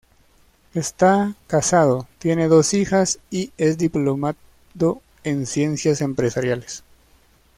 Está casado, tiene dos hijas y es diplomado en ciencias empresariales.